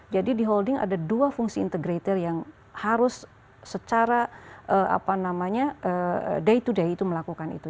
jadi di holding ada dua fungsi integrator yang harus secara day to day itu melakukan itu